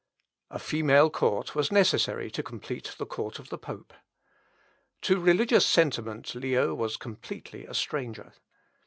" A female court was necessary to complete the court of the pope. To religious sentiment Leo was completely a stranger.